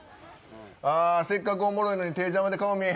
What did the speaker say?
ああせっかくおもろいのに手ぇ邪魔で顔見えへん。